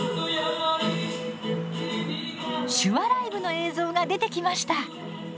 手話ライブの映像が出てきました！